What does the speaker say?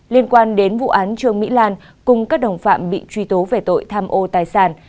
liên quan đến vụ án trương mỹ lan cùng các đồng phạm bị truy tố về tội tham ô tài sản